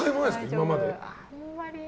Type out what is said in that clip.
今まで。